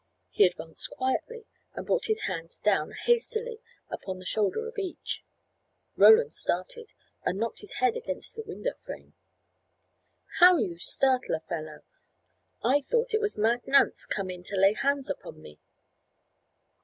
He advanced quietly and brought his hands down hastily upon the shoulder of each. Roland started, and knocked his head against the window frame. "How you startle a fellow! I thought it was Mad Nance come in to lay hands upon me."